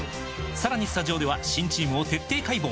さらにスタジオでは新チームを徹底解剖！